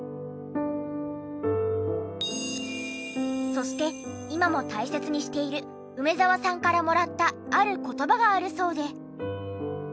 そして今も大切にしている梅沢さんからもらったある言葉があるそうで。